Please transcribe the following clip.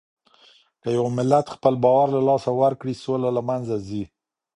که يو ملت خپل باور له لاسه ورکړي، سوله له منځه ځي.